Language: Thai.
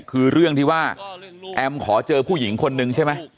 คือเรื่องที่ว่าแอมขอเจอผู้หญิงคนนึงใช่ไหม